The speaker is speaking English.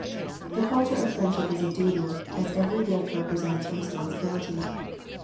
The culture of friendship is a duty, as every gift represents a responsibility.